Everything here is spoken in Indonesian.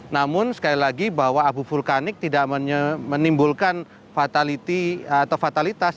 namun sekali lagi bahwa abu vulkanik tidak menimbulkan fatality atau fatalitas